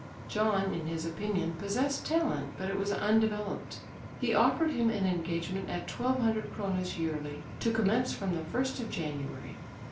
John, in his opinion, possessed talent, but it was undeveloped. He offered him an engagement at twelve hundred kronas yearly, to commence from the first of January.